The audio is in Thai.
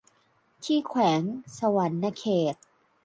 ที่แขวงสะหวันนะเขต